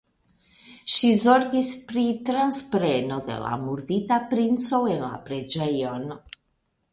Ŝi zorgis pri transpreno de la murdita princo en la preĝejon.